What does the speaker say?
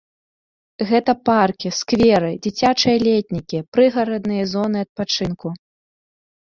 Гэта паркі, скверы, дзіцячыя летнікі, прыгарадныя зоны адпачынку.